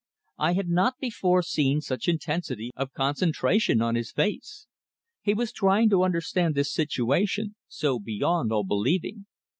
I had not before seen such intensity of concentration on his face. He was trying to understand this situation, so beyond all believing.